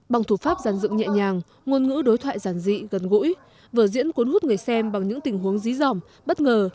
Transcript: bằng thủ pháp dàn dựng nhẹ nhàng ngôn ngữ đối thoại giản dị gần gũi vở diễn cuốn hút người xem bằng những tình huống dí dỏm bất ngờ